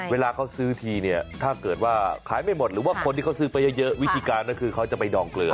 เวลาเขาซื้อทีเนี่ยถ้าเกิดว่าขายไม่หมดหรือว่าคนที่เขาซื้อไปเยอะวิธีการก็คือเขาจะไปดองเกลือ